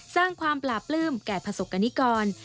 สร้างความปลาปลื้มแก่ผสกกณิกร